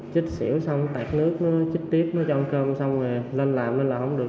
chích xỉu xong tạt nước nó chích tiếp nó cho con cơm xong rồi lên làm lên làm không được